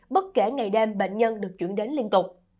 bất kể ngày đêm bệnh nhân được chuyển đến liên tục